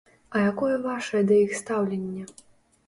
А якое вашае да іх стаўленне?